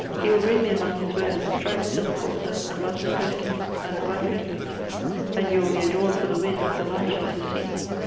He will bring me amoug his wares a striped silk corset, a muslin petti coat, and a black necklace." *' And you will be adorned for the wind, the mountain, and the sea.